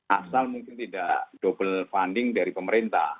asal mungkin tidak double funding dari pemerintah